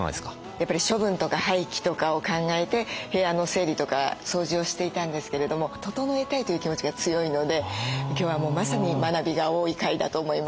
やっぱり処分とか廃棄とかを考えて部屋の整理とか掃除をしていたんですけれども整えたいという気持ちが強いので今日はもうまさに学びが多い回だと思います。